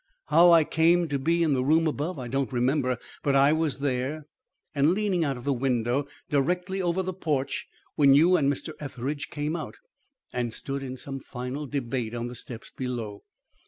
How I came to be in the room above I don't remember, but I was there and leaning out of the window directly over the porch when you and Mr. Etheridge came out and stood in some final debate on the steps below.